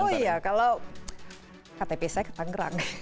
oh iya kalau ktp saya ketanggerang